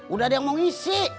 udah ada yang mau ngisi